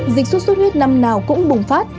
dịch xuất xuất huyết năm nào cũng bùng phát